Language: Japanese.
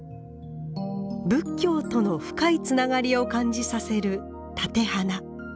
仏教との深いつながりを感じさせる立て花。